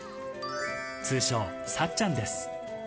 通称、さっちゃんです。